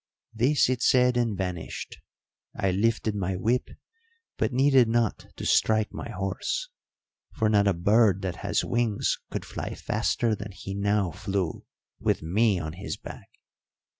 "This it said and vanished. I lifted my whip, but needed not to strike my horse, for not a bird that has wings could fly faster than he now flew with me on his back.